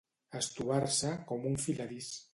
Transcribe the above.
Estovar-se com un filadís.